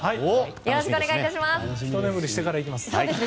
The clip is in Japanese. よろしくお願いします。